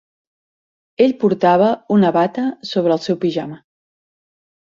Ell portava una bata sobre el seu pijama.